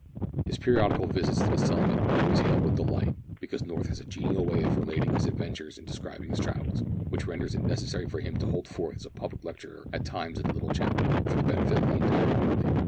His periodical visits to the settlement are always hailed with delight, because North has a genial way of relating his adventures and describing his travels, which renders it necessary for him to hold forth as a public lecturer at times in the little chapel, for the benefit of the entire community.